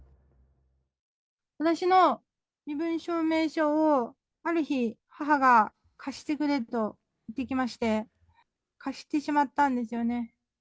私の身分証明書をある日、母が貸してくれと言ってきまして、貸してしまったんですよね。